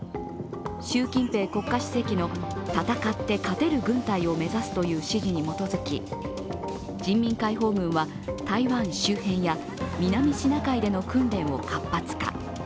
習近平国家主席の戦って勝てる軍隊を目指すという指示に基づき人民解放軍は台湾周辺や南シナ海での訓練を活発化。